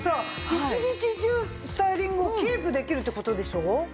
１日中スタイリングをキープできるって事でしょ？